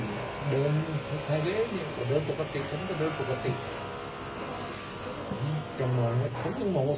ก็มองว่าคนใกล้ตัวครอบครัวเชิงผู้ที่ที่กำรวจเรียกอ่า